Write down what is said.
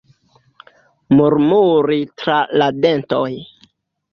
Murmuri tra la dentoj.